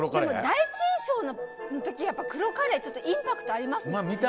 第一印象の時は黒カレー、ちょっとインパクトありますよね。